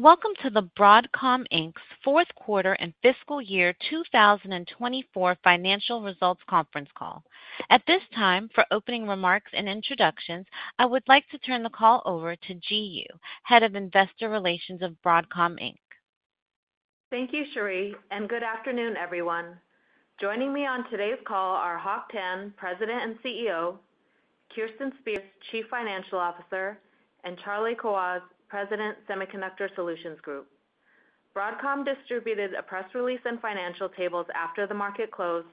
Welcome to the Broadcom Inc's Fourth Quarter and Fiscal Year 2024 Financial Results Conference call. At this time, for opening remarks and introductions, I would like to turn the call over to Ji Yoo, Head of Investor Relations of Broadcom Inc. Thank you, Cherie, and good afternoon, everyone. Joining me on today's call are Hock Tan, President and CEO, Kirsten Spears, Chief Financial Officer, and Charlie Kawwas, President, Semiconductor Solutions Group. Broadcom distributed a press release and financial tables after the market closed,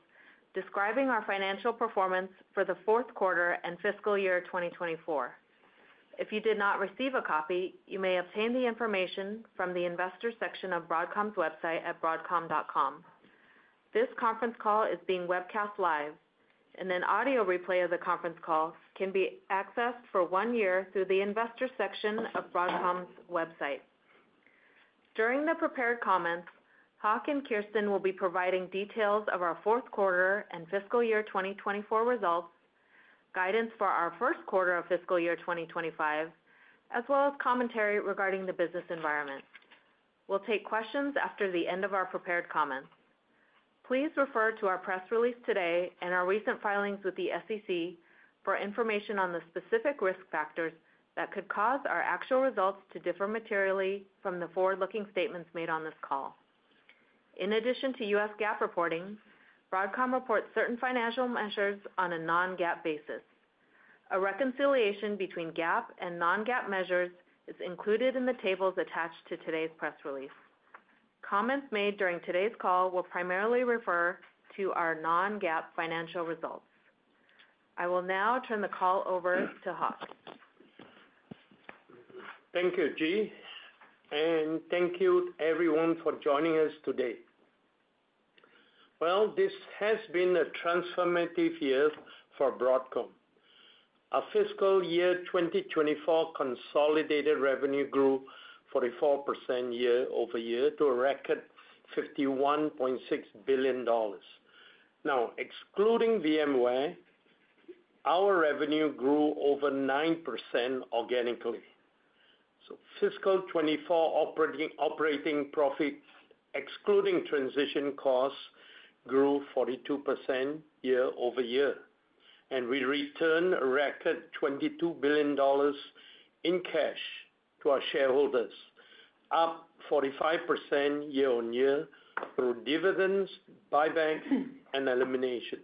describing our financial performance for the fourth quarter and fiscal year 2024. If you did not receive a copy, you may obtain the information from the investor section of Broadcom's website at broadcom.com. This conference call is being webcast live, and an audio replay of the conference call can be accessed for one year through the Investor section of Broadcom's website. During the prepared comments, Hock and Kirsten will be providing details of our fourth quarter and fiscal year 2024 results, guidance for our first quarter of fiscal year 2025, as well as commentary regarding the business environment. We'll take questions after the end of our prepared comments. Please refer to our press release today and our recent filings with the SEC for information on the specific risk factors that could cause our actual results to differ materially from the forward-looking statements made on this call. In addition to U.S. GAAP reporting, Broadcom reports certain financial measures on a non-GAAP basis. A reconciliation between GAAP and non-GAAP measures is included in the tables attached to today's press release. Comments made during today's call will primarily refer to our non-GAAP financial results. I will now turn the call over to Hock. Thank you, Ji, and thank you everyone for joining us today. This has been a transformative year for Broadcom. Our fiscal year 2024 consolidated revenue grew 44% year-over-year to a record $51.6 billion. Now, excluding VMware, our revenue grew over 9% organically. Fiscal 2024 operating profit, excluding transition costs, grew 42% year-over-year, and we returned a record $22 billion in cash to our shareholders, up 45% year-on-year through dividends, buybacks, and eliminations.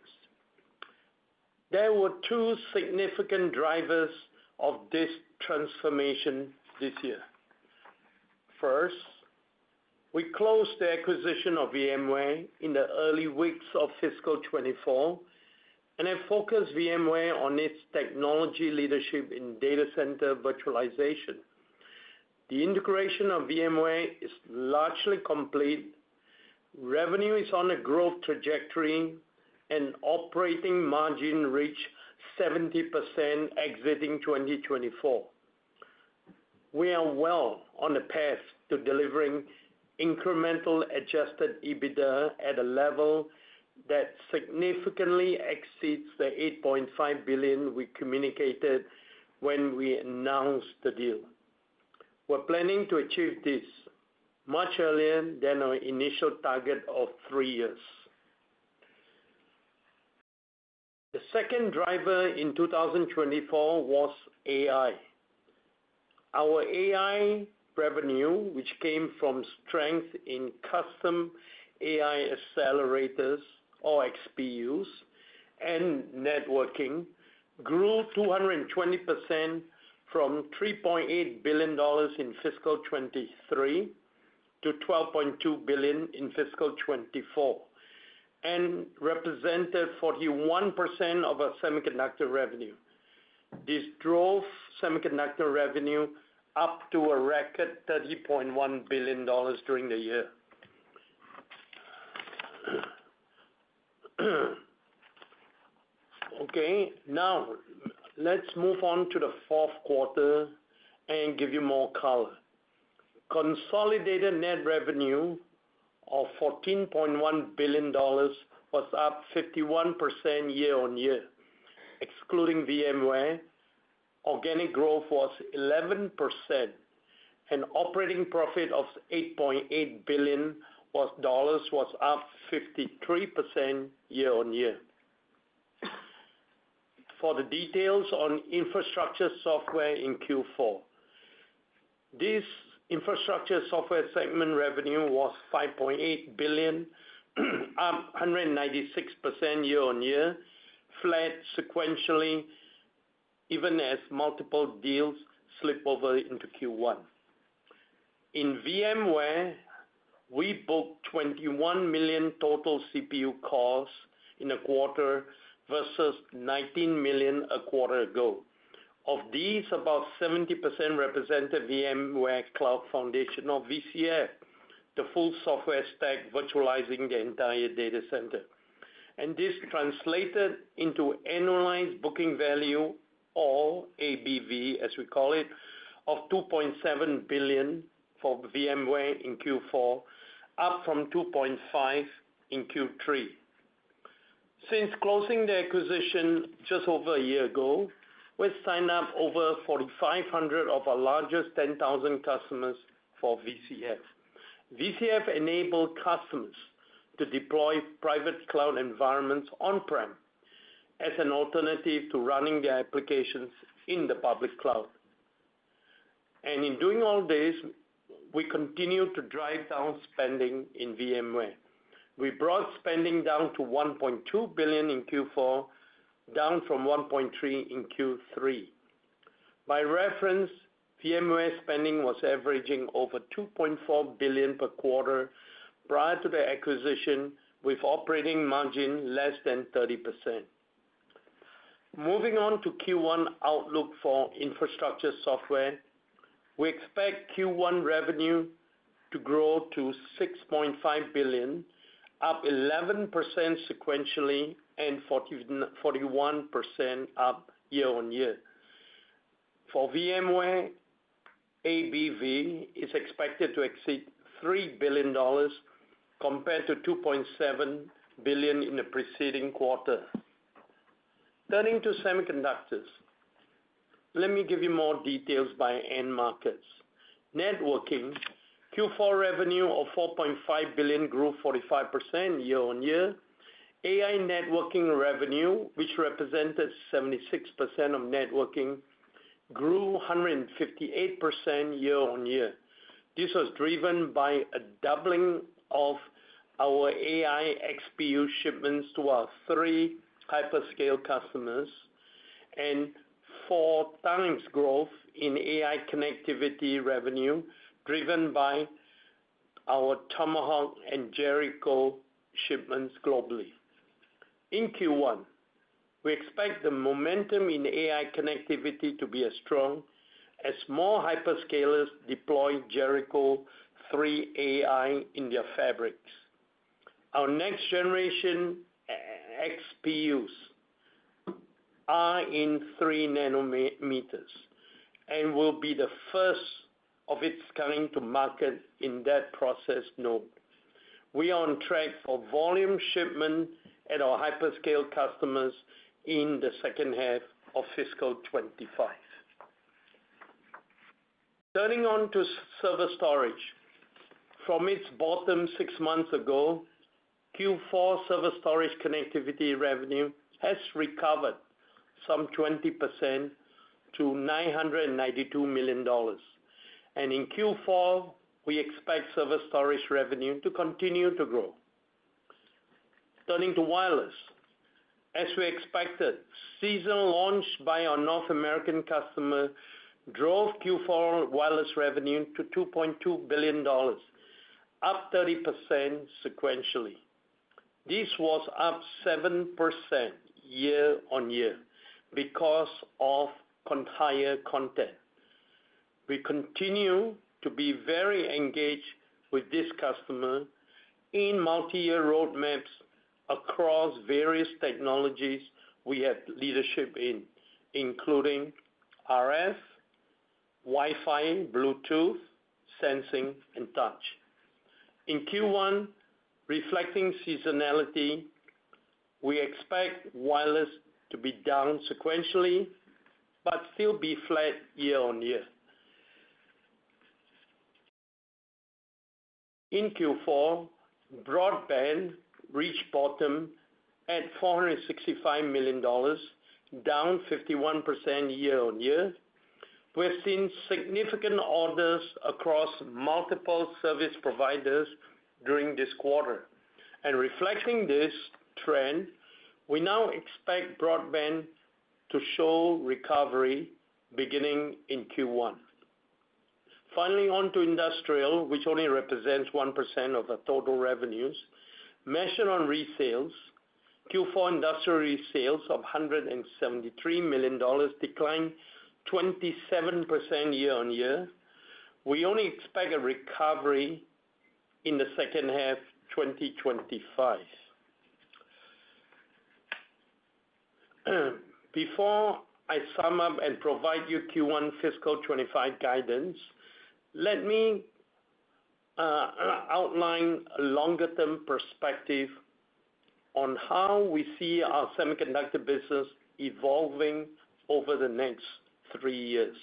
There were two significant drivers of this transformation this year. First, we closed the acquisition of VMware in the early weeks of fiscal 2024, and it focused VMware on its technology leadership in data center virtualization. The integration of VMware is largely complete, revenue is on a growth trajectory, and operating margin reached 70% exiting 2024. We are well on the path to delivering incremental adjusted EBITDA at a level that significantly exceeds the $8.5 billion we communicated when we announced the deal. We're planning to achieve this much earlier than our initial target of three years. The second driver in 2024 was AI. Our AI revenue, which came from strength in custom AI accelerators, or XPUs, and networking, grew 220% from $3.8 billion in fiscal 2023 to $12.2 billion in fiscal 2024, and represented 41% of our Semiconductor revenue. This drove Semiconductor revenue up to a record $30.1 billion during the year. Okay, now let's move on to the fourth quarter and give you more color. Consolidated net revenue of $14.1 billion was up 51% year-on-year, excluding VMware. Organic growth was 11%, and operating profit of $8.8 billion was up 53% year-on-year. For the details on Infrastructure Software in Q4, this Infrastructure Software segment revenue was $5.8 billion, up 196% year-on-year, flat sequentially even as multiple deals slipped over into Q1. In VMware, we booked $21 million total CPU costs in a quarter versus $19 million a quarter ago. Of these, about 70% represented VMware Cloud Foundation, or VCF, the full software stack virtualizing the entire data center, and this translated into annualized booking value, or ABV as we call it, of $2.7 billion for VMware in Q4, up from $2.5 billion in Q3. Since closing the acquisition just over a year ago, we signed up over 4,500 of our largest 10,000 customers for VCF. VCF enabled customers to deploy private cloud environments on-prem as an alternative to running their applications in the public cloud, and in doing all this, we continue to drive down spending in VMware. We brought spending down to $1.2 billion in Q4, down from $1.3 billion in Q3. By reference, VMware spending was averaging over $2.4 billion per quarter prior to the acquisition, with operating margin less than 30%. Moving on to Q1 outlook for Infrastructure Software, we expect Q1 revenue to grow to $6.5 billion, up 11% sequentially and 41% up year-on-year. For VMware, ABV is expected to exceed $3 billion compared to $2.7 billion in the preceding quarter. Turning to Semiconductors, let me give you more details by end markets. Networking, Q4 revenue of $4.5 billion grew 45% year-on-year. AI Networking revenue, which represented 76% of Networking, grew 158% year-on-year. This was driven by a doubling of our AI XPU shipments to our three hyperscale customers and four times growth in AI Connectivity revenue driven by our Tomahawk and Jericho shipments globally. In Q1, we expect the momentum in AI connectivity to be as strong as more hyperscalers deploy Jericho3-AI in their fabrics. Our next generation XPUs are in 3 nm and will be the first of its kind to market in that process node. We are on track for volume shipment at our hyperscale customers in the second half of fiscal 2025. Turning to Server Storage, from its bottom six months ago, Q4 Server Storage Connectivity revenue has recovered some 20% to $992 million, and in Q4, we expect Server Storage revenue to continue to grow. Turning to Wireless, as we expected, seasonal launch by our North American customer drove Q4 Wireless revenue to $2.2 billion, up 30% sequentially. This was up 7% year-on-year because of carrier content. We continue to be very engaged with this customer in multi-year roadmaps across various technologies we have leadership in, including RF, Wi-Fi, Bluetooth, sensing, and touch. In Q1, reflecting seasonality, we expect Wireless to be down sequentially but still be flat year-on-year. In Q4, Broadband reached bottom at $465 million, down 51% year-on-year. We've seen significant orders across multiple service providers during this quarter. And reflecting this trend, we now expect Broadband to show recovery beginning in Q1. Finally, on to Industrial, which only represents 1% of our total revenues. Measured on resales, Q4 Industrial resales of $173 million declined 27% year-on-year. We only expect a recovery in the second half of 2025. Before I sum up and provide you Q1 fiscal 2025 guidance, let me outline a longer-term perspective on how we see our Semiconductor business evolving over the next three years.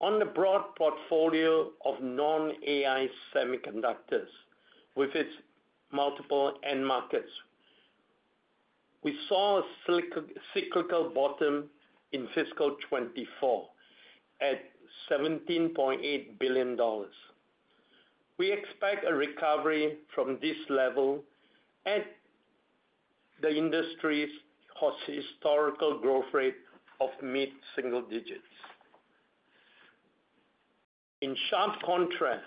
On the broad portfolio of non-AI Semiconductors, with its multiple end markets, we saw a cyclical bottom in fiscal 2024 at $17.8 billion. We expect a recovery from this level at the industry's historical growth rate of mid-single digits. In sharp contrast,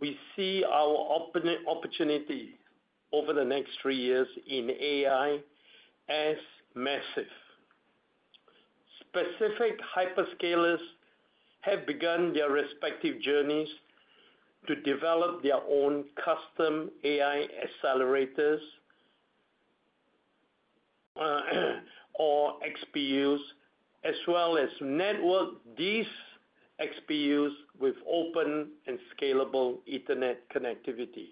we see our opportunity over the next three years in AI as massive. Specific hyperscalers have begun their respective journeys to develop their own custom AI accelerators or XPUs, as well as network these XPUs with open and scalable Ethernet connectivity.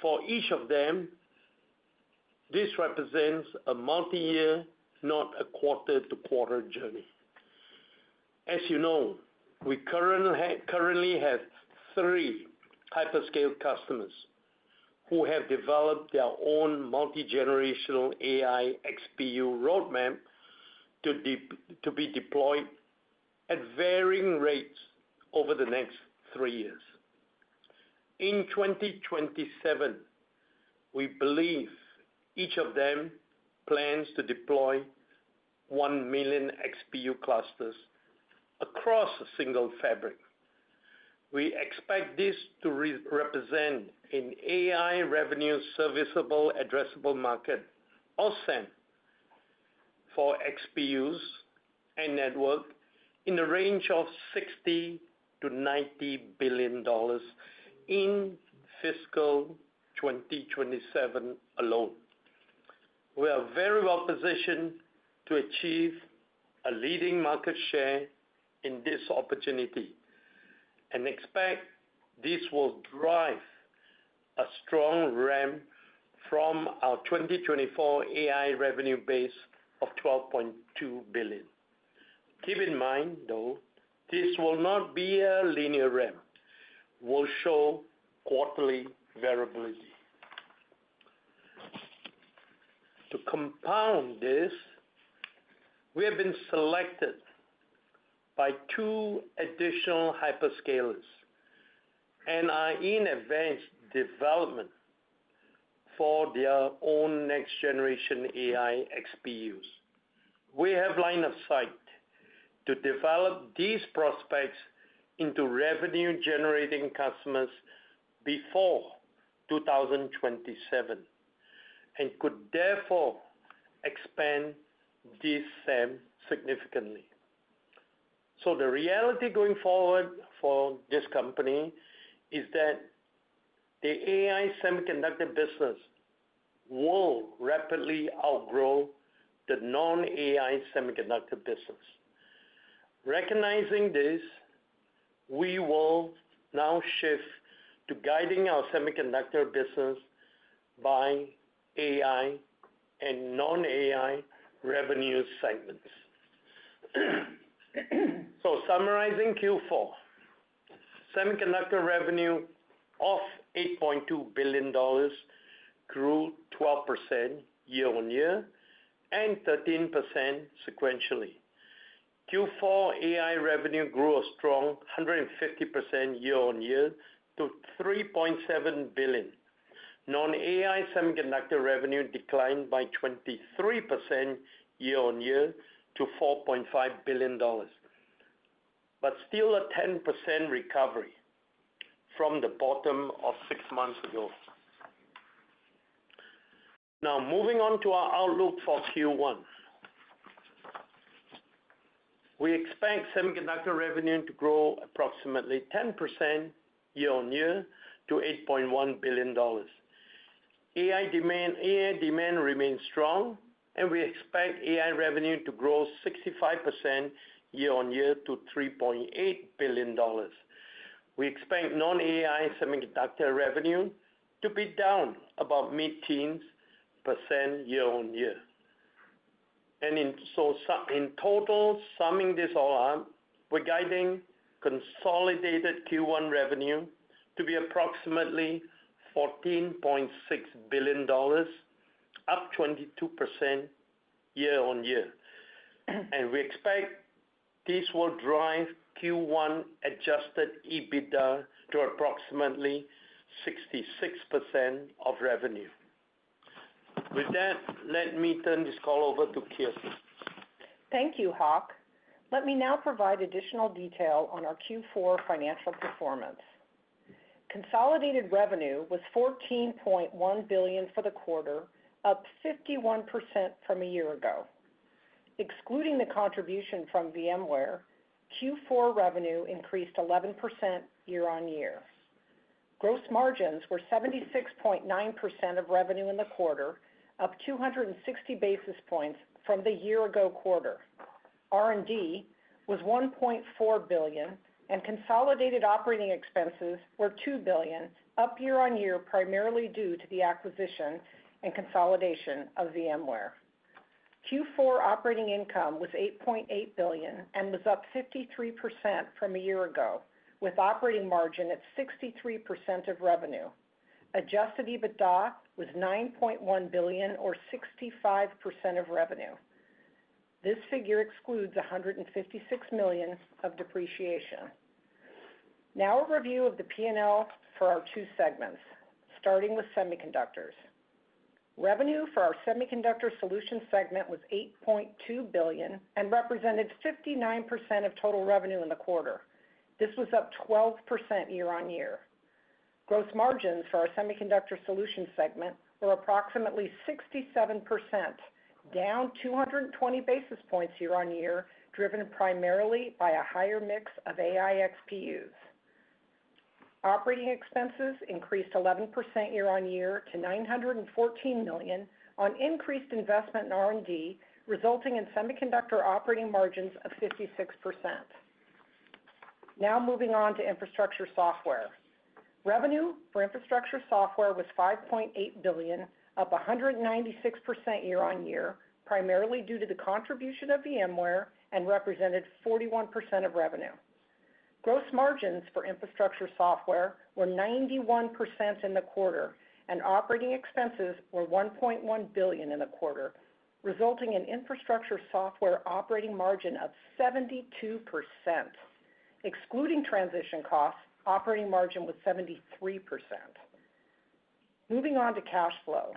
For each of them, this represents a multi-year, not a quarter-to-quarter journey. As you know, we currently have three hyperscale customers who have developed their own multi-generational AI XPU roadmap to be deployed at varying rates over the next three years. In 2027, we believe each of them plans to deploy one million XPU clusters across a single fabric. We expect this to represent an AI revenue Serviceable Addressable Market, or SAM, for XPUs and network in the range of $60 billion-$90 billion in fiscal 2027 alone. We are very well positioned to achieve a leading market share in this opportunity and expect this will drive a strong ramp from our 2024 AI revenue base of $12.2 billion. Keep in mind, though, this will not be a linear ramp. We'll show quarterly variability. To compound this, we have been selected by two additional hyperscalers and are in advanced development for their own next-generation AI XPUs. We have line of sight to develop these prospects into revenue-generating customers before 2027 and could therefore expand this SAM significantly. So the reality going forward for this company is that the AI Semiconductor business will rapidly outgrow the non-AI Semiconductor business. Recognizing this, we will now shift to guiding our Semiconductor business by AI and non-AI revenue segments. So summarizing Q4, Semiconductor revenue of $8.2 billion grew 12% year-on-year and 13% sequentially. Q4 AI revenue grew a strong 150% year-on-year to $3.7 billion. Non-AI Semiconductor revenue declined by 23% year-on-year to $4.5 billion, but still a 10% recovery from the bottom of six months ago. Now, moving on to our outlook for Q1, we expect Semiconductor revenue to grow approximately 10% year-on-year to $8.1 billion. AI demand remains strong, and we expect AI revenue to grow 65% year-on-year to $3.8 billion. We expect non-AI Semiconductor revenue to be down about mid-teens percent year-on-year. And so in total, summing this all up, we're guiding consolidated Q1 revenue to be approximately $14.6 billion, up 22% year-on-year. We expect this will drive Q1 adjusted EBITDA to approximately 66% of revenue. With that, let me turn this call over to Kirsten. Thank you, Hock. Let me now provide additional detail on our Q4 financial performance. Consolidated revenue was $14.1 billion for the quarter, up 51% from a year ago. Excluding the contribution from VMware, Q4 revenue increased 11% year-on-year. Gross margins were 76.9% of revenue in the quarter, up 260 basis points from the year-ago quarter. R&D was $1.4 billion, and consolidated operating expenses were $2 billion, up year-on-year primarily due to the acquisition and consolidation of VMware. Q4 operating income was $8.8 billion and was up 53% from a year ago, with operating margin at 63% of revenue. Adjusted EBITDA was $9.1 billion, or 65% of revenue. This figure excludes $156 million of depreciation. Now, a review of the P&L for our two segments, starting with Semiconductors. Revenue for our Semiconductor Solution segment was $8.2 billion and represented 59% of total revenue in the quarter. This was up 12% year-on-year. Gross margins for our Semiconductor Solution segment were approximately 67%, down 220 basis points year-on-year, driven primarily by a higher mix of AI XPUs. Operating expenses increased 11% year-on-year to $914 million on increased investment in R&D, resulting in Semiconductor operating margins of 56%. Now, moving on to Infrastructure Software. Revenue for Infrastructure Software was $5.8 billion, up 196% year-on-year, primarily due to the contribution of VMware and represented 41% of revenue. Gross margins for Infrastructure Software were 91% in the quarter, and operating expenses were $1.1 billion in the quarter, resulting in Infrastructure Software operating margin of 72%. Excluding transition costs, operating margin was 73%. Moving on to cash flow.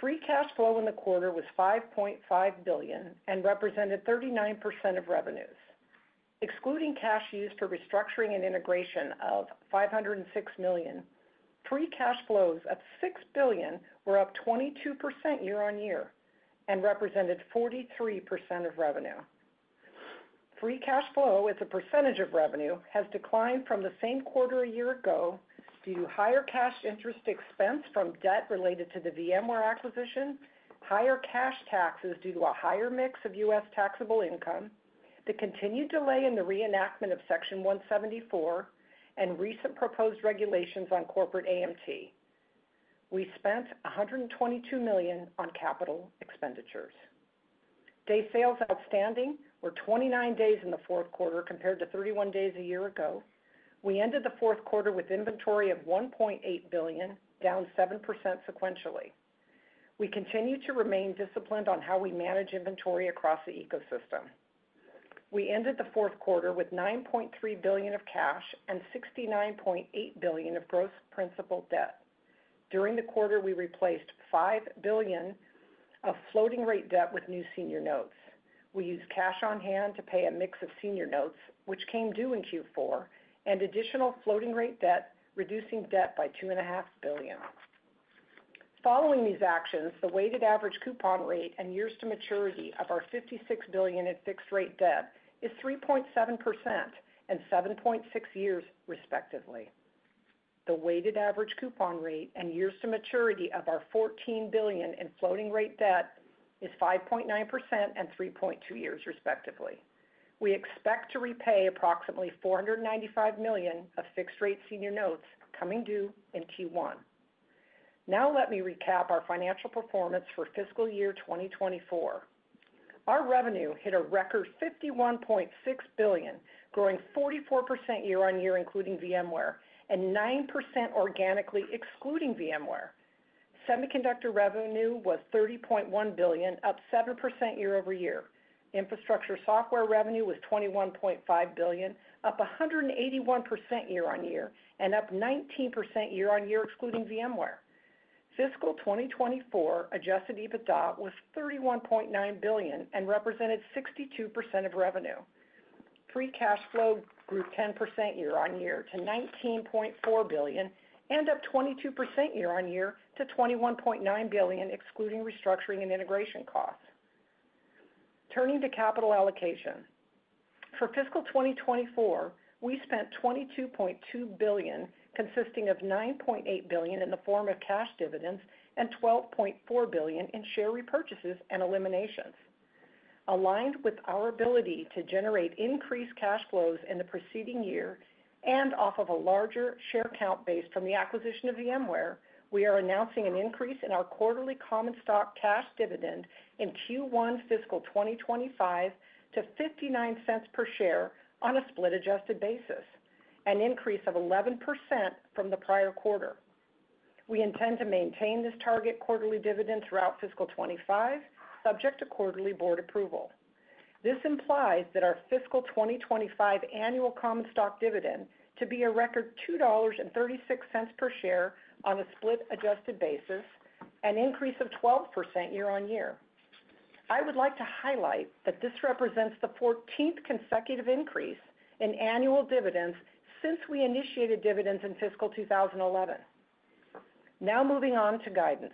Free cash flow in the quarter was $5.5 billion and represented 39% of revenues. Excluding cash used for restructuring and integration of $506 million, free cash flows of $6 billion were up 22% year-on-year and represented 43% of revenue. Free cash flow as a percentage of revenue has declined from the same quarter a year ago due to higher cash interest expense from debt related to the VMware acquisition, higher cash taxes due to a higher mix of U.S. taxable income, the continued delay in the reenactment of Section 174, and recent proposed regulations on Corporate AMT. We spent $122 million on capital expenditures. Day sales outstanding were 29 days in the fourth quarter compared to 31 days a year ago. We ended the fourth quarter with inventory of $1.8 billion, down 7% sequentially. We continue to remain disciplined on how we manage inventory across the ecosystem. We ended the fourth quarter with $9.3 billion of cash and $69.8 billion of gross principal debt. During the quarter, we replaced $5 billion of floating-rate debt with new senior notes. We used cash on hand to pay a mix of senior notes, which came due in Q4, and additional floating-rate debt, reducing debt by $2.5 billion. Following these actions, the weighted average coupon rate and years to maturity of our $56 billion in fixed-rate debt is 3.7% and 7.6 years, respectively. The weighted average coupon rate and years to maturity of our $14 billion in floating-rate debt is 5.9% and 3.2 years, respectively. We expect to repay approximately $495 million of fixed-rate senior notes coming due in Q1. Now, let me recap our financial performance for fiscal year 2024. Our revenue hit a record $51.6 billion, growing 44% year-on-year, including VMware, and 9% organically, excluding VMware. Semiconductor revenue was $30.1 billion, up 7% year-over-year. Infrastructure Software revenue was $21.5 billion, up 181% year-on-year, and up 19% year-on-year, excluding VMware. Fiscal 2024 adjusted EBITDA was $31.9 billion and represented 62% of revenue. Free cash flow grew 10% year-on-year to $19.4 billion and up 22% year-on-year to $21.9 billion, excluding restructuring and integration costs. Turning to capital allocation. For fiscal 2024, we spent $22.2 billion, consisting of $9.8 billion in the form of cash dividends and $12.4 billion in share repurchases and eliminations. Aligned with our ability to generate increased cash flows in the preceding year and off of a larger share count base from the acquisition of VMware, we are announcing an increase in our quarterly common stock cash dividend in Q1 fiscal 2025 to $0.59 per share on a split-adjusted basis, an increase of 11% from the prior quarter. We intend to maintain this target quarterly dividend throughout fiscal 25, subject to quarterly board approval. This implies that our fiscal 2025 annual common stock dividend to be a record $2.36 per share on a split-adjusted basis, an increase of 12% year-on-year. I would like to highlight that this represents the 14th consecutive increase in annual dividends since we initiated dividends in fiscal 2011. Now, moving on to guidance.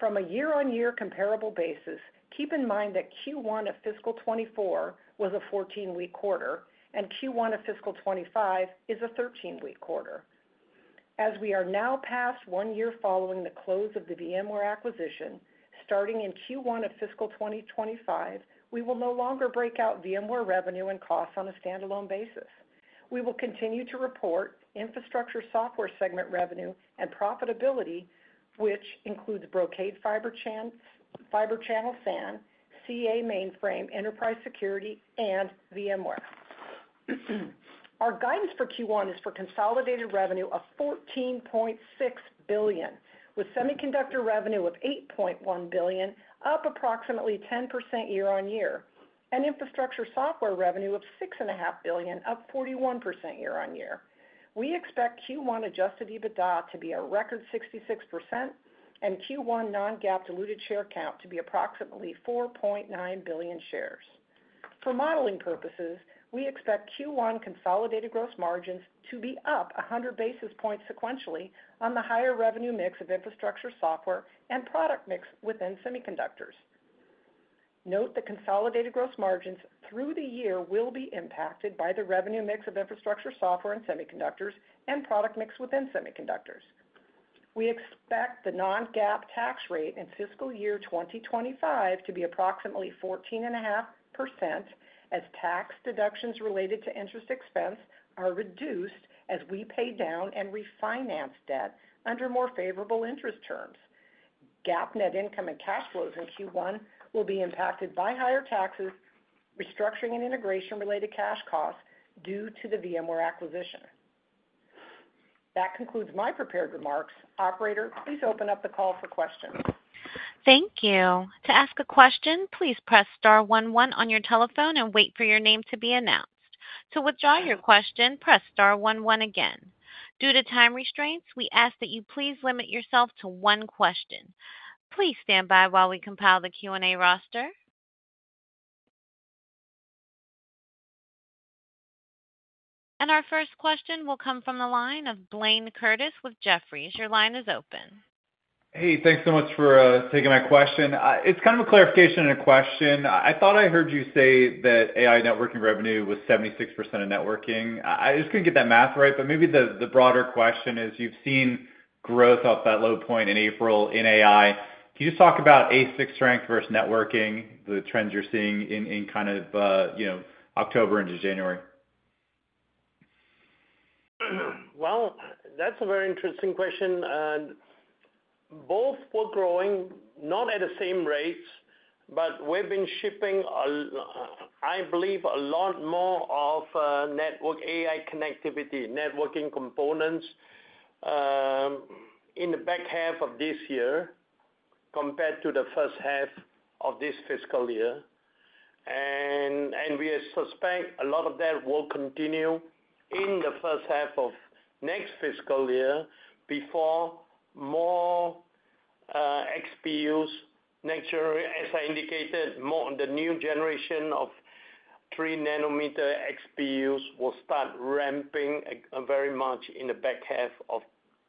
From a year-on-year comparable basis, keep in mind that Q1 of fiscal 2024 was a 14-week quarter, and Q1 of fiscal 2025 is a 13-week quarter. As we are now past one year following the close of the VMware acquisition, starting in Q1 of fiscal 2025, we will no longer break out VMware revenue and costs on a standalone basis. We will continue to report Infrastructure Software segment revenue and profitability, which includes Brocade Fibre Channel SAN, CA Mainframe, Enterprise Security, and VMware. Our guidance for Q1 is for consolidated revenue of $14.6 billion, with Semiconductor revenue of $8.1 billion, up approximately 10% year-on-year, and Infrastructure Software revenue of $6.5 billion, up 41% year-on-year. We expect Q1 Adjusted EBITDA to be a record 66% and Q1 non-GAAP diluted share count to be approximately 4.9 billion shares. For modeling purposes, we expect Q1 consolidated gross margins to be up 100 basis points sequentially on the higher revenue mix of Infrastructure Software and product mix within Semiconductors. Note that consolidated gross margins through the year will be impacted by the revenue mix of Infrastructure Software and Semiconductors and product mix within Semiconductors. We expect the non-GAAP tax rate in fiscal year 2025 to be approximately 14.5%, as tax deductions related to interest expense are reduced as we pay down and refinance debt under more favorable interest terms. GAAP net income and cash flows in Q1 will be impacted by higher taxes, restructuring and integration-related cash costs due to the VMware acquisition. That concludes my prepared remarks. Operator, please open up the call for questions. Thank you. To ask a question, please press star one one on your telephone and wait for your name to be announced. To withdraw your question, press star one one again. Due to time restraints, we ask that you please limit yourself to one question. Please stand by while we compile the Q&A roster. Our first question will come from the line of Blayne Curtis with Jefferies. Your line is open. Hey, thanks so much for taking my question. It's kind of a clarification on a question. I thought I heard you say that AI Networking revenue was 76% of networking. I just couldn't get that math right, but maybe the broader question is you've seen growth off that low point in April in AI. Can you just talk about ASIC strength versus Networking, the trends you're seeing in kind of October into January? That's a very interesting question. Both were growing, not at the same rates, but we've been shipping, I believe, a lot more of network AI connectivity, networking components in the back half of this year compared to the first half of this fiscal year. And we suspect a lot of that will continue in the first half of next fiscal year before more XPUs, as I indicated, the new generation of 3-nm XPUs will start ramping very much in the back half of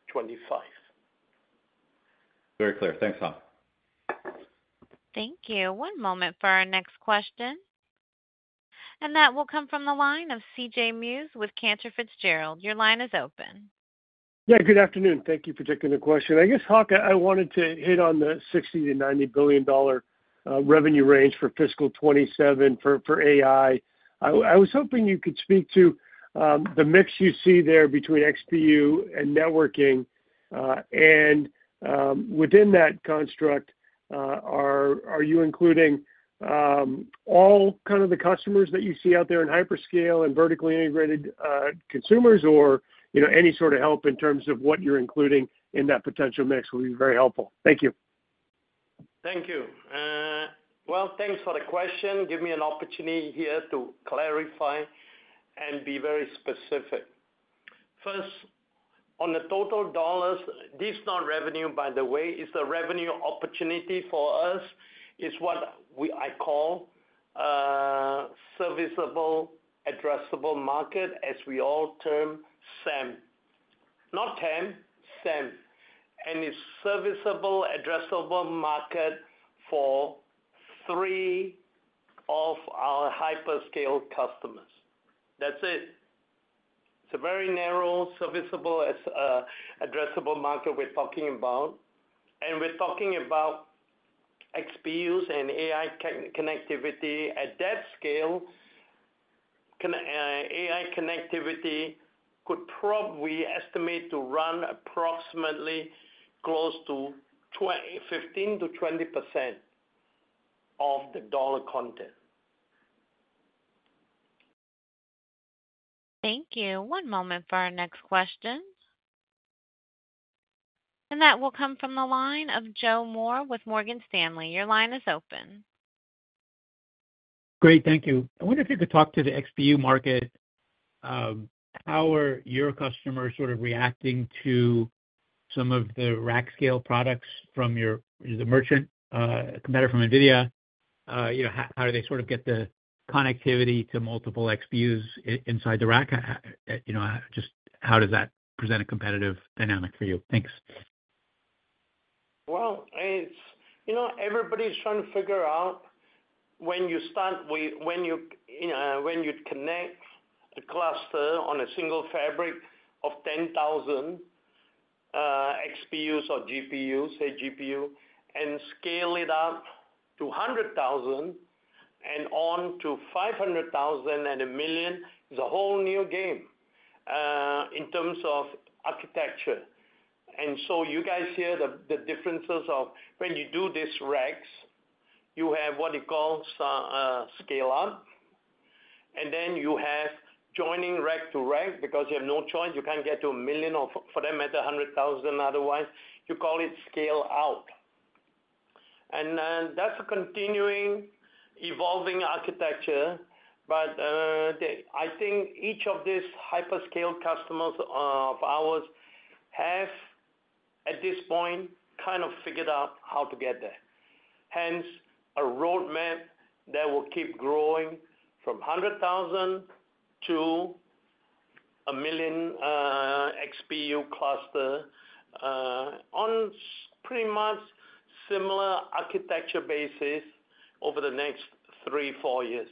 2025. Very clear. Thanks, Hock. Thank you. One moment for our next question. And that will come from the line of CJ Muse with Cantor Fitzgerald. Your line is open. Yeah, good afternoon. Thank you for taking the question. I guess, Hock, I wanted to hit on the $60 billion-$90 billion revenue range for fiscal 2027 for AI. I was hoping you could speak to the mix you see there between XPU and Networking. And within that construct, are you including all kind of the customers that you see out there in hyperscale and vertically integrated consumers, or any sort of help in terms of what you're including in that potential mix would be very helpful? Thank you. Thank you. Well, thanks for the question. Give me an opportunity here to clarify and be very specific. First, on the total dollars, this is not revenue, by the way. It's a revenue opportunity for us. It's what I call Serviceable Addressable Market, as we all term, SAM. Not TAM, SAM. And it's Serviceable Addressable Market for three of our hyperscale customers. That's it. It's a very narrow Serviceable Addressable Market we're talking about. And we're talking about XPUs and AI connectivity. At that scale, AI connectivity could probably estimate to run approximately close to 15%-20% of the dollar content. Thank you. One moment for our next question, and that will come from the line of Joe Moore with Morgan Stanley. Your line is open. Great. Thank you. I wonder if you could talk to the XPU market. How are your customers sort of reacting to some of the rack scale products from your merchant competitor, NVIDIA? How do they sort of get the connectivity to multiple XPUs inside the rack? Just how does that present a competitive dynamic for you? Thanks. Everybody's trying to figure out when you start, when you connect a cluster on a single fabric of 10,000 XPUs or GPUs, say GPU, and scale it up to 100,000 and on to 500,000 and a million. It's a whole new game in terms of architecture. And so you guys hear the differences of when you do these racks. You have what you call scale-up, and then you have joining rack to rack because you have no choice. You can't get to a million or, for that matter, 100,000 otherwise. You call it scale-out. And that's a continuing, evolving architecture. But I think each of these hyperscale customers of ours have, at this point, kind of figured out how to get there. Hence, a roadmap that will keep growing from 100,000 to a million XPU cluster on pretty much similar architecture basis over the next three, four years.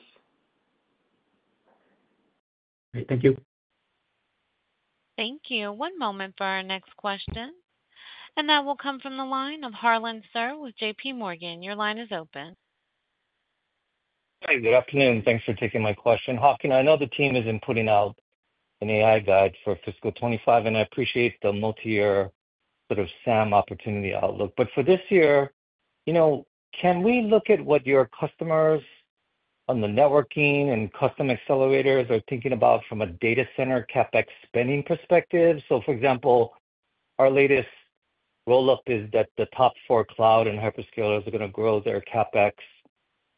Great. Thank you. Thank you. One moment for our next question, and that will come from the line of Harlan Sur with JPMorgan. Your line is open. Hi. Good afternoon. Thanks for taking my question. Hock, I know the team has been putting out an AI guide for fiscal 2025, and I appreciate the multi-year sort of SAM opportunity outlook, but for this year, can we look at what your customers on the Networking and Custom Accelerators are thinking about from a data center CapEx spending perspective, so for example, our latest roll-up is that the top four cloud and hyperscalers are going to grow their CapEx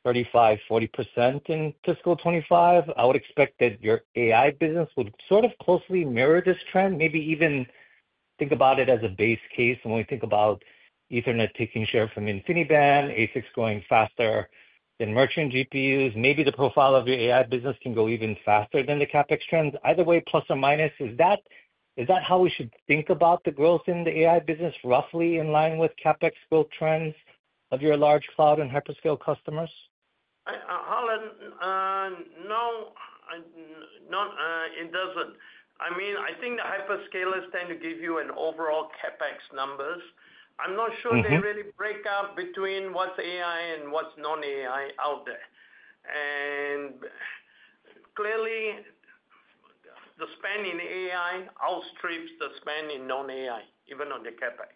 35%-40% in fiscal 2025. I would expect that your AI business would sort of closely mirror this trend, maybe even think about it as a base case. When we think about Ethernet taking share from InfiniBand, ASICs going faster than merchant GPUs, maybe the profile of your AI business can go even faster than the CapEx trends. Either way, plus or minus, is that how we should think about the growth in the AI business, roughly in line with CapEx growth trends of your large cloud and hyperscale customers? Harlan, no, it doesn't. I mean, I think the hyperscalers tend to give you an overall CapEx numbers. I'm not sure they really break out between what's AI and what's non-AI out there. And clearly, the spend in AI outstrips the spend in non-AI, even on the CapEx.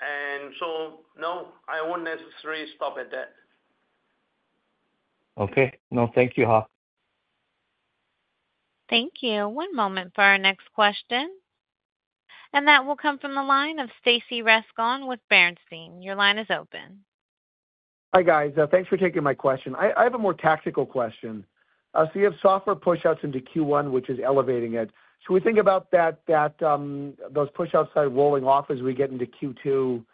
And so, no, I wouldn't necessarily stop at that. Okay. No, thank you, Hock. Thank you. One moment for our next question. That will come from the line of Stacy Rasgon with Bernstein. Your line is open. Hi, guys. Thanks for taking my question. I have a more tactical question. So you have software push-outs into Q1, which is elevating it. Should we think about those push-outs rolling off as we get into Q2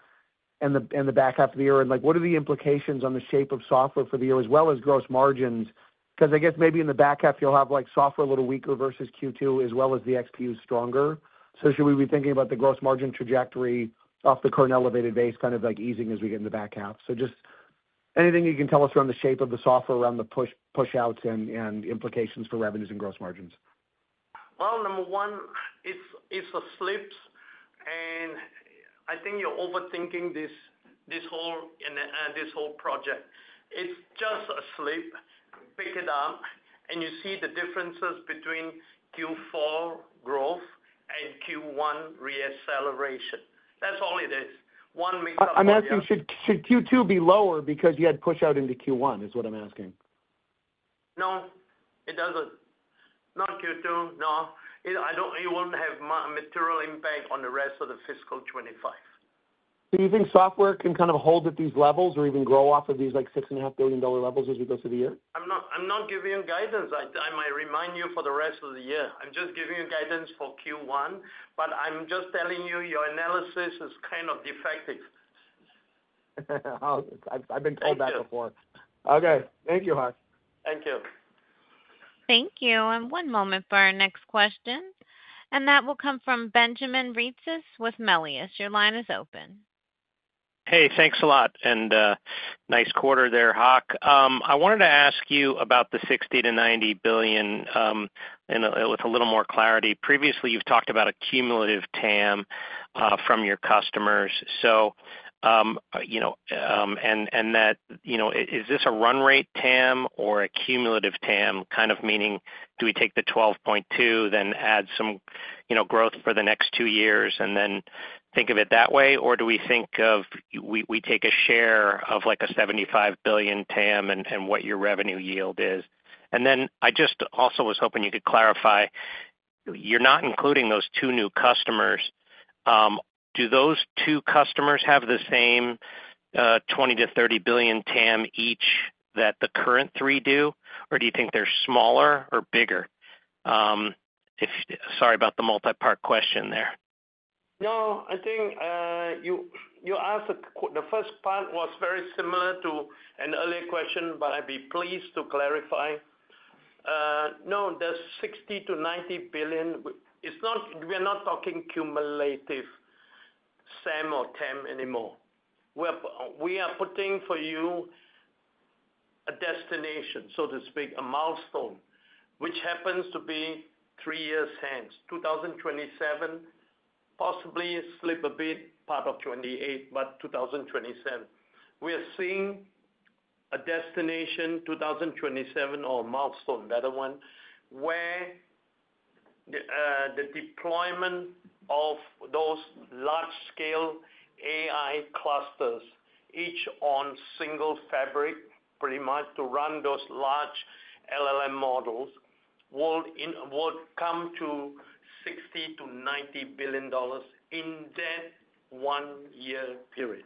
and the back half of the year? And what are the implications on the shape of software for the year, as well as gross margins? Because I guess maybe in the back half, you'll have software a little weaker versus Q2, as well as the XPUs stronger. So should we be thinking about the gross margin trajectory off the current elevated base, kind of easing as we get in the back half? So just anything you can tell us around the shape of the software around the push-outs and implications for revenues and gross margins? Well, number one, it's a slip. And I think you're overthinking this whole project. It's just a slip. Pick it up, and you see the differences between Q4 growth and Q1 re-acceleration. That's all it is. One mix-up. I'm asking, should Q2 be lower because you had push-out into Q1, is what I'm asking? No, it doesn't. Not Q2, no. It won't have material impact on the rest of the fiscal 2025. So you think software can kind of hold at these levels or even grow off of these $6.5 billion levels as we go through the year? I'm not giving you guidance. I might remind you for the rest of the year. I'm just giving you guidance for Q1, but I'm just telling you your analysis is kind of defective. I've been told that before. Okay. Thank you, Hock. Thank you. Thank you. And one moment for our next question. And that will come from Benjamin Reitzes with Melius. Your line is open. Hey, thanks a lot. Nice quarter there, Hock. I wanted to ask you about the $60 billion-$90 billion with a little more clarity. Previously, you've talked about a cumulative TAM from your customers. So, is that a run rate TAM or a cumulative TAM, kind of meaning do we take the $12.2 billion, then add some growth for the next two years, and then think of it that way, or do we think of taking a share of a $75 billion TAM and what your revenue yield is? Then I just also was hoping you could clarify. You're not including those two new customers. Do those two customers have the same $20 billion-$30 billion TAM each that the current three do, or do you think they're smaller or bigger? Sorry about the multi-part question there. No, I think you asked the first part was very similar to an earlier question, but I'd be pleased to clarify. No, the $60 billion-$90 billion, we're not talking cumulative SAM or TAM anymore. We are putting for you a destination, so to speak, a milestone, which happens to be three years hence, 2027, possibly slip a bit, part of 2028, but 2027. We are seeing a destination 2027 or milestone, better one, where the deployment of those large-scale AI clusters, each on single fabric, pretty much to run those large LLM models, will come to $60 billion-$90 billion in that one year period,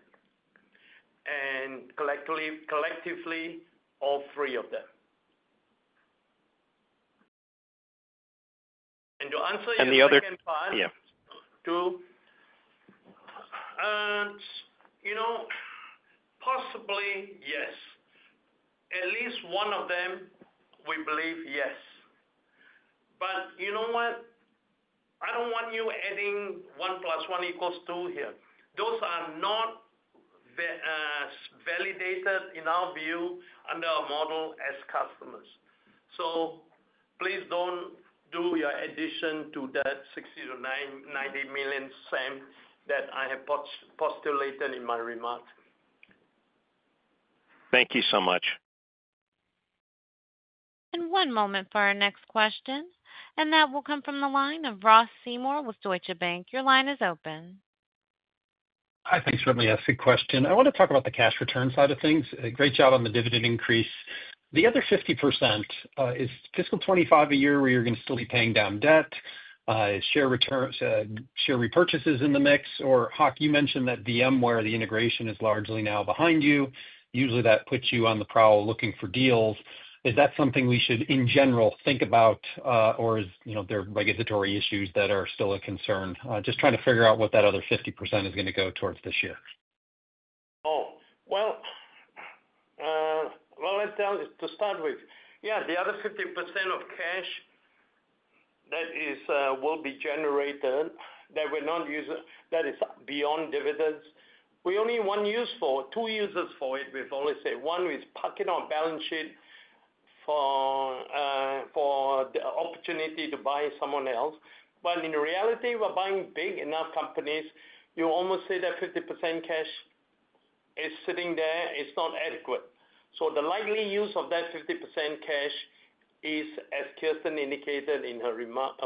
and collectively all three of them. And to answer your second part. And the other? Yeah. Two. Possibly, yes. At least one of them, we believe, yes. But you know what? I don't want you adding one plus one equals two here. Those are not validated in our view under our model as customers. So please don't do your addition to that $60 billion-$90 billion SAM that I have postulated in my remarks. Thank you so much. One moment for our next question. That will come from the line of Ross Seymore with Deutsche Bank. Your line is open. Hi, thanks for letting me ask the question. I want to talk about the cash return side of things. Great job on the dividend increase. The other 50% is fiscal 2025, a year where you're going to still be paying down debt, share repurchases in the mix. Or, Hock, you mentioned that VMware, the integration is largely now behind you. Usually, that puts you on the prowl looking for deals. Is that something we should, in general, think about, or is there regulatory issues that are still a concern? Just trying to figure out what that other 50% is going to go towards this year. Oh, well, let's start with, yeah, the other 50% of cash that will be generated that we're not using, that is beyond dividends. We only want two uses for it, we've always said. One is pocket our balance sheet for the opportunity to buy someone else. But in reality, we're buying big enough companies. You almost say that 50% cash is sitting there. It's not adequate. So the likely use of that 50% cash is, as Kirsten indicated in her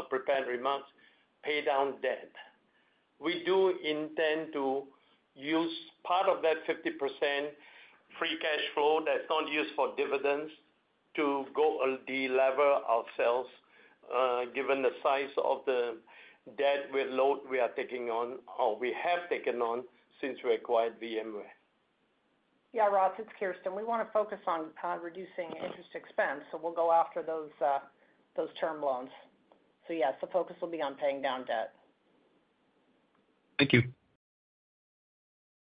prepared remarks, pay down debt. We do intend to use part of that 50% free cash flow that's not used for dividends to go and de-lever ourselves, given the size of the debt we are taking on or we have taken on since we acquired VMware. Yeah, Ross, it's Kirsten. We want to focus on reducing interest expense, so we'll go after those term loans. So yes, the focus will be on paying down debt. Thank you.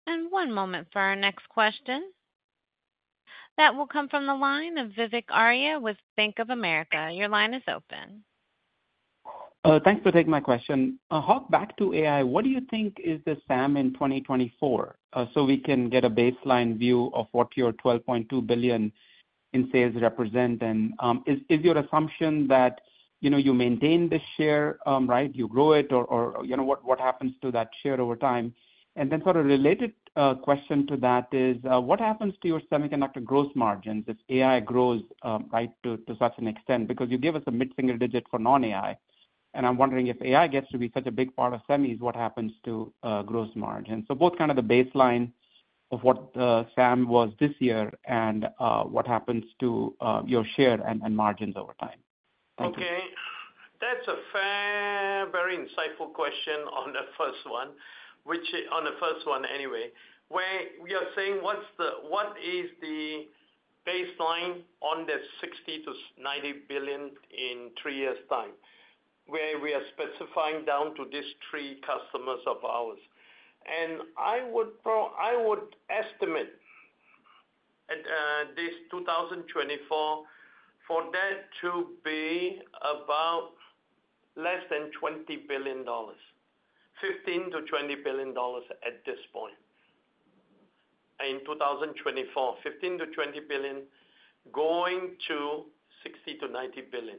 And one moment for our next question. That will come from the line of Vivek Arya with Bank of America. Your line is open. Thanks for taking my question. Hock, back to AI, what do you think is the SAM in 2024? So we can get a baseline view of what your $12.2 billion in sales represent. And is your assumption that you maintain this share, right? You grow it, or what happens to that share over time? And then sort of related question to that is, what happens to your semiconductor gross margins if AI grows to such an extent? Because you gave us a mid-single digit for non-AI. I'm wondering, if AI gets to be such a big part of semis, what happens to gross margins? So both kind of the baseline of what the SAM was this year and what happens to your share and margins over time. Thank you. Okay. That's a very insightful question on the first one, which on the first one anyway, where we are saying what is the baseline on the $60 billion-$90 billion in three years' time, where we are specifying down to these three customers of ours. I would estimate this 2024 for that to be about less than $20 billion, $15 billion-$20 billion at this point in 2024, $15 billion-$20 billion going to $60 billion-$90 billion.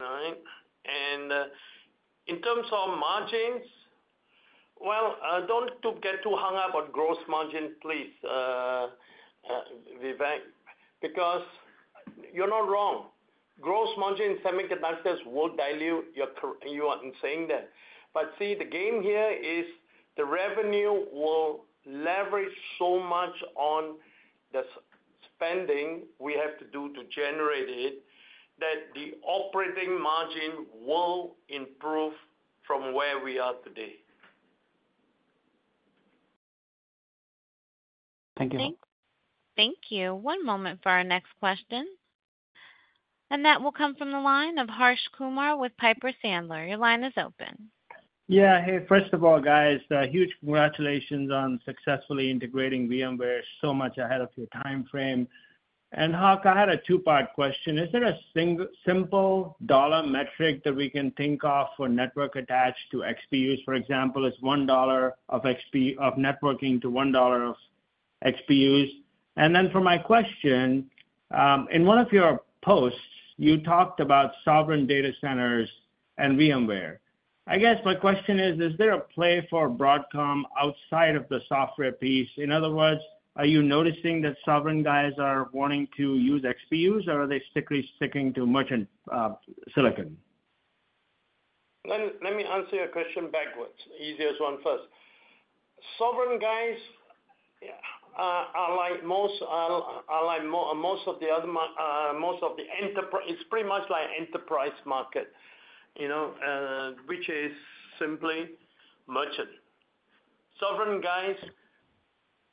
All right? In terms of margins, well, don't get too hung up on gross margins, please, Vivek, because you're not wrong. Gross margins in Semiconductors will dilute your—you are saying that. But see, the game here is the revenue will leverage so much on the spending we have to do to generate it that the operating margin will improve from where we are today. Thank you. Thank you. One moment for our next question, and that will come from the line of Harsh Kumar with Piper Sandler. Your line is open. Yeah. Hey, first of all, guys, huge congratulations on successfully integrating VMware. So much ahead of your timeframe. And Hock, I had a two-part question. Is there a simple dollar metric that we can think of for network attached to XPUs, for example, is $1 of networking to $1 of XPUs? And then for my question, in one of your posts, you talked about sovereign data centers and VMware. I guess my question is, is there a play for Broadcom outside of the software piece? In other words, are you noticing that sovereign guys are wanting to use XPUs, or are they sticking too much in silicon? Let me answer your question backwards. Easiest one first. Sovereign guys are like most of the other, most of the enterprise. It's pretty much like enterprise market, which is simply merchant. Sovereign guys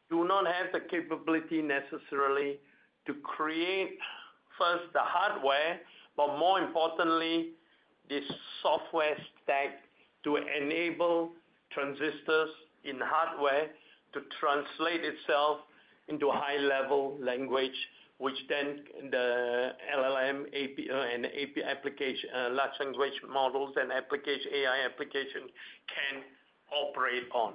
do not have the capability necessarily to create first the hardware, but more importantly, the software stack to enable transistors in hardware to translate itself into high-level language, which then the LLM and other large language models and AI applications can operate on.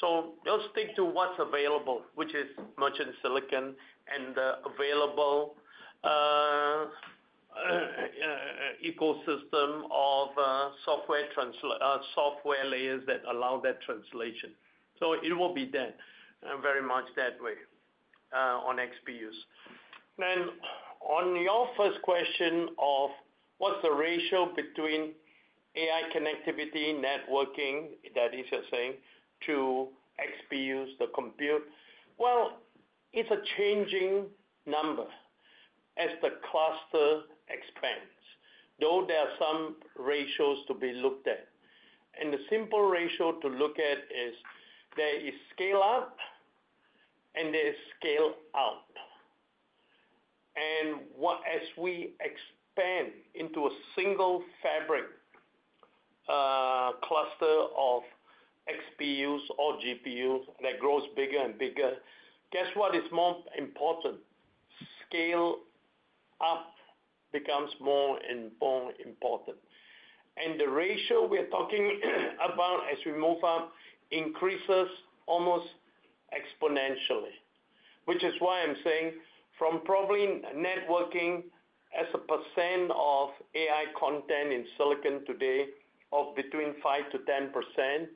So they'll stick to what's available, which is merchant silicon and the available ecosystem of software layers that allow that translation. So it will be that, very much that way on XPUs. Then on your first question of what's the ratio between AI connectivity, networking, that is you're saying, to XPUs, the compute, well, it's a changing number as the cluster expands, though there are some ratios to be looked at. And the simple ratio to look at is there is scale-up and there is scale-out. And as we expand into a single fabric cluster of XPUs or GPUs that grows bigger and bigger, guess what is more important? Scale-up becomes more and more important. And the ratio we're talking about as we move up increases almost exponentially, which is why I'm saying from probably networking as a percent of AI content in silicon today of between 5%-10%,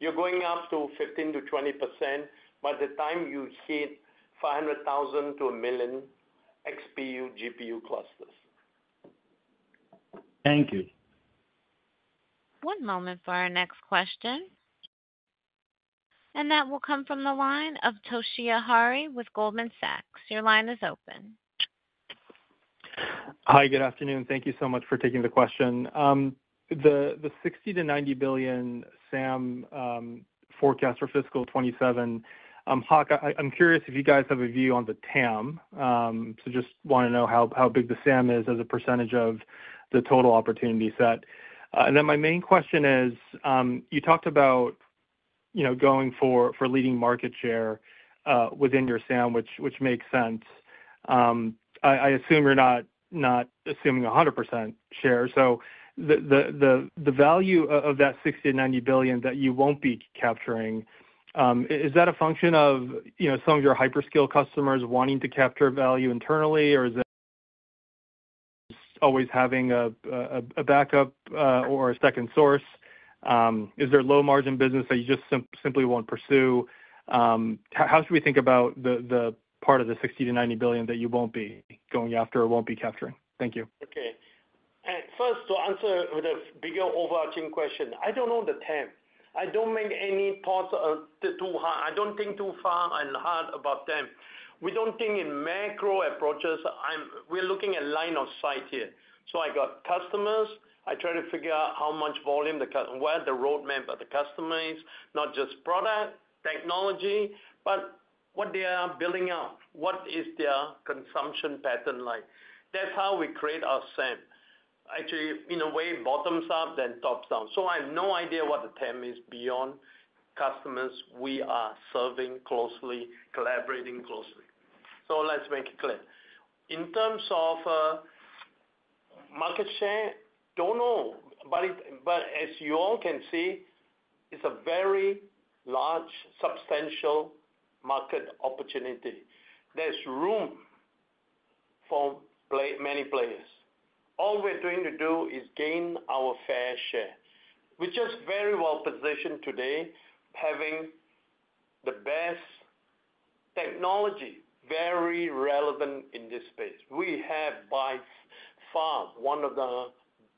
you're going up to 15%-20% by the time you hit 500,000 to a million XPU, GPU clusters. Thank you. One moment for our next question. And that will come from the line of Toshiya Hari with Goldman Sachs. Your line is open. Hi, good afternoon. Thank you so much for taking the question. The $60 billion-$90 billion SAM forecast for fiscal 2027, Hock, I'm curious if you guys have a view on the TAM. So just want to know how big the SAM is as a percentage of the total opportunity set. And then my main question is, you talked about going for leading market share within your SAM, which makes sense. I assume you're not assuming 100% share. So the value of that $60 billion-$90 billion that you won't be capturing, is that a function of some of your hyperscale customers wanting to capture value internally, or is it always having a backup or a second source? Is there low-margin business that you just simply won't pursue? How should we think about the part of the $60 billion-$90 billion that you won't be going after or won't be capturing? Thank you. Okay. First, to answer the bigger overarching question, I don't own the TAM. I don't make any thoughts too hard. I don't think too far and hard about TAM. We don't think in macro approaches. We're looking at line of sight here. So I got customers. I try to figure out how much volume where the roadmap of the customer is, not just product, technology, but what they are building out. What is their consumption pattern like? That's how we create our SAM. Actually, in a way, bottoms up then tops down. So I have no idea what the TAM is beyond customers we are serving closely, collaborating closely. So let's make it clear. In terms of market share, don't know. But as you all can see, it's a very large, substantial market opportunity. There's room for many players. All we're trying to do is gain our fair share. We're just very well positioned today, having the best technology, very relevant in this space. We have by far one of the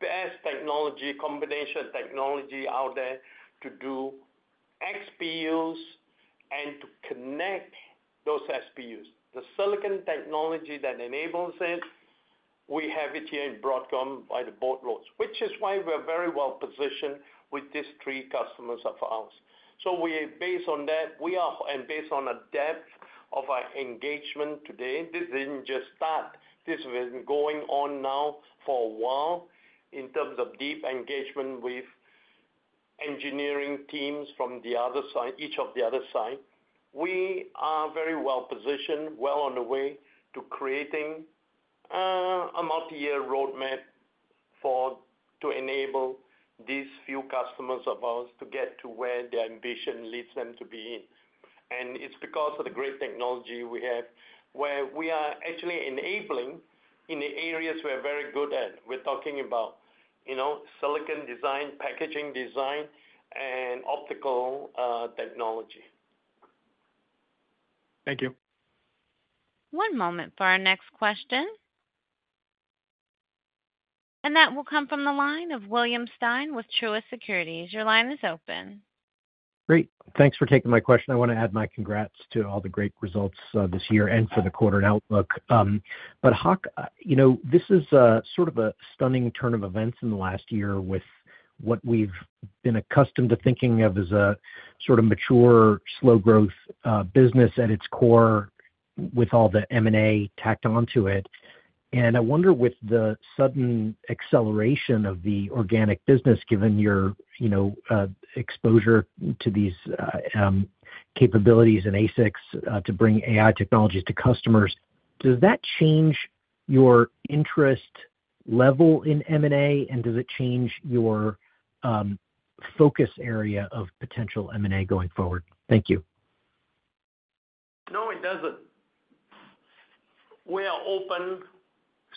best technology combination technology out there to do XPUs and to connect those XPUs. The silicon technology that enables it, we have it here in Broadcom by the boatloads, which is why we're very well positioned with these three customers of ours. So based on that and based on a depth of our engagement today, this didn't just start. This has been going on now for a while in terms of deep engagement with engineering teams from each of the other sides. We are very well positioned, well on the way to creating a multi-year roadmap to enable these few customers of ours to get to where their ambition leads them to be in. And it's because of the great technology we have where we are actually enabling in the areas we're very good at. We're talking about silicon design, packaging design, and optical technology. Thank you. One moment for our next question. And that will come from the line of William Stein with Truist Securities. Your line is open. Great. Thanks for taking my question. I want to add my congrats to all the great results this year and for the quarter and outlook. But Hock, this is sort of a stunning turn of events in the last year with what we've been accustomed to thinking of as a sort of mature slow-growth business at its core with all the M&A tacked onto it. And I wonder with the sudden acceleration of the organic business, given your exposure to these capabilities and ASICs to bring AI technologies to customers, does that change your interest level in M&A? And does it change your focus area of potential M&A going forward? Thank you. No, it doesn't. We are open,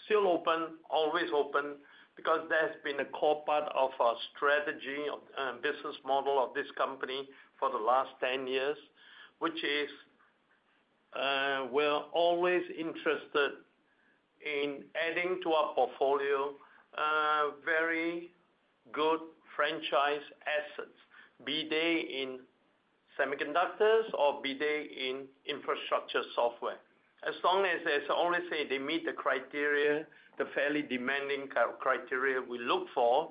still open, always open because that's been a core part of our strategy and business model of this company for the last 10 years, which is we're always interested in adding to our portfolio very good franchise assets, be they in semiconductors or be they in infrastructure software. As long as they only say they meet the criteria, the fairly demanding criteria we look for,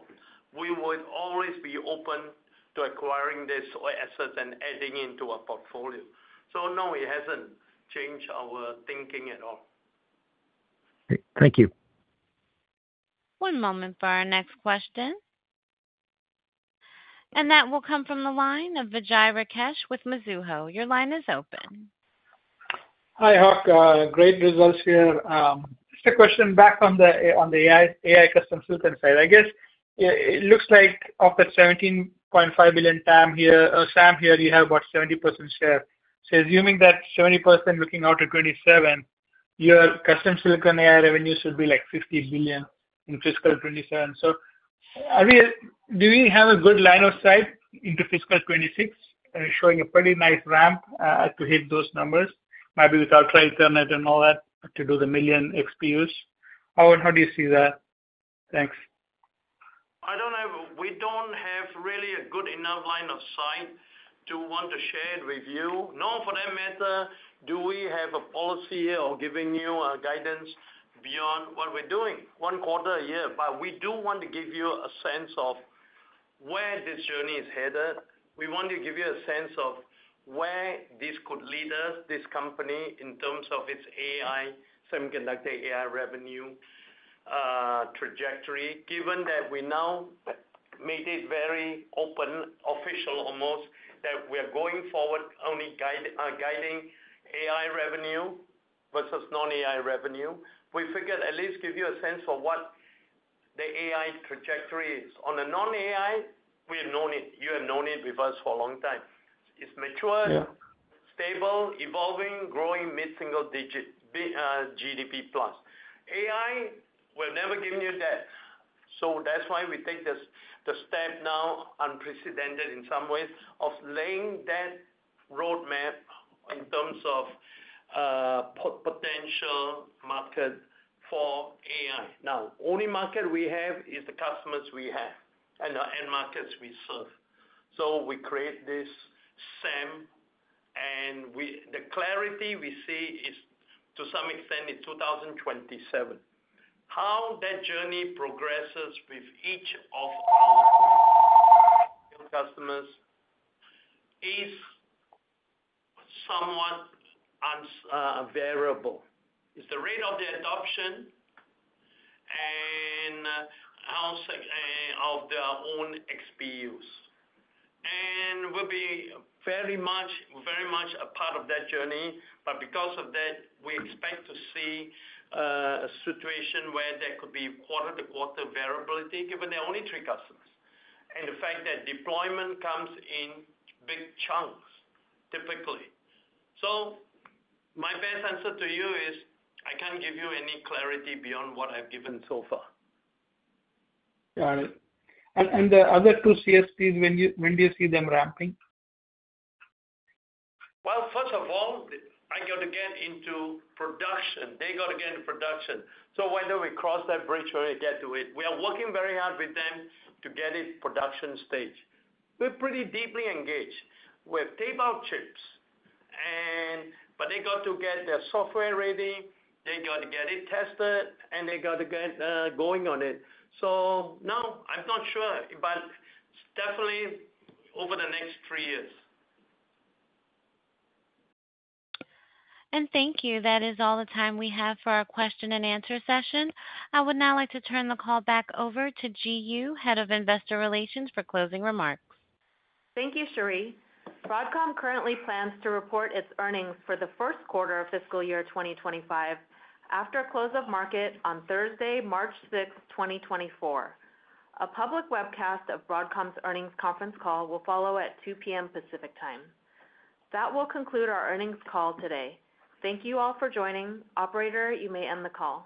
we would always be open to acquiring these assets and adding into our portfolio. So no, it hasn't changed our thinking at all. Thank you. One moment for our next question. That will come from the line of Vijay Rakesh with Mizuho. Your line is open. Hi, Hock. Great results here. Just a question back on the AI custom silicon side. I guess it looks like of the $17.5 billion SAM here, you have about 70% share. So assuming that 70% looking out to 2027, your custom silicon AI revenue should be like $50 billion in fiscal 2027. So do we have a good line of sight into fiscal 2026, showing a pretty nice ramp to hit those numbers, maybe without the TAM and all that to do the million XPUs? How do you see that? Thanks. I don't know. We don't have really a good enough line of sight to want to share with you. No, for that matter, do we have a policy here or giving you guidance beyond what we're doing one quarter a year? But we do want to give you a sense of where this journey is headed. We want to give you a sense of where this could lead us, this company, in terms of its AI semiconductor AI revenue trajectory, given that we now made it very open, official almost, that we are going forward only guiding AI revenue versus non-AI revenue. We figured at least give you a sense for what the AI trajectory is. On the non-AI, we have known it. You have known it with us for a long time. It's mature, stable, evolving, growing mid-single digit GDP plus. AI, we're never giving you that. So that's why we take the step now, unprecedented in some ways, of laying that roadmap in terms of potential market for AI. Now, only market we have is the customers we have and the end markets we serve. So we create this SAM, and the clarity we see is to some extent in 2027. How that journey progresses with each of our customers is somewhat variable. It's the rate of the adoption and of their own XPUs. And we'll be very much a part of that journey. But because of that, we expect to see a situation where there could be quarter-to-quarter variability, given there are only three customers. And the fact that deployment comes in big chunks, typically. So my best answer to you is I can't give you any clarity beyond what I've given so far. Got it. And the other two CSPs, when do you see them ramping? Well, first of all, I got to get into production. They got to get into production. So whether we cross that bridge or we get to it, we are working very hard with them to get it production stage. We're pretty deeply engaged. We have tape-out chips, but they got to get their software ready. They got to get it tested, and they got to get going on it. So no, I'm not sure, but definitely over the next three years. And thank you. That is all the time we have for our question-and-answer session. I would now like to turn the call back over to Ji Yoo, Head of Investor Relations, for closing remarks. Thank you, Cherie. Broadcom currently plans to report its earnings for the first quarter of fiscal year 2025 after a close of market on Thursday, March 6, 2024. A public webcast of Broadcom's earnings conference call will follow at 2:00 P.M. Pacific Time. That will conclude our earnings call today. Thank you all for joining. Operator, you may end the call.